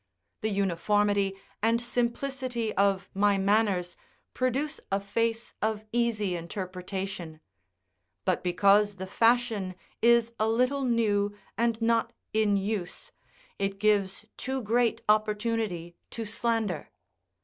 The uniformity and simplicity of my manners produce a face of easy interpretation; but because the fashion is a little new and not in use, it gives too great opportunity to slander.